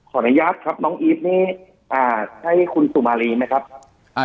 ขออนุญาตครับน้องอีฟนี้อ่าใช่คุณสุมารีไหมครับอ่า